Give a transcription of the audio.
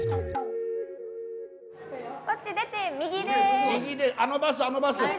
こっち出て右です。